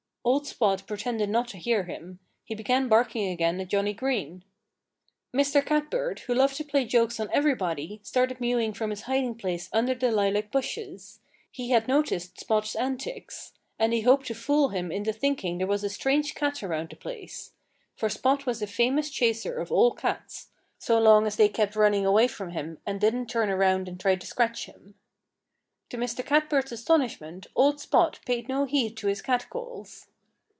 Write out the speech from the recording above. Old Spot pretended not to hear him. He began barking again at Johnnie Green. Mr. Catbird, who loved to play jokes on everybody, started mewing from his hiding place under the lilac bushes. He had noticed Spot's antics. And he hoped to fool him into thinking there was a strange cat around the place. For Spot was a famous chaser of all cats so long as they kept running away from him and didn't turn around and try to scratch him. To Mr. Catbird's astonishment old Spot paid no heed to his catcalls.